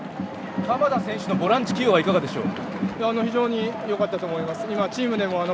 鎌田選手のボランチ起用はいかがでしょう？